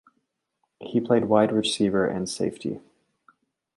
He played wide receiver and safety.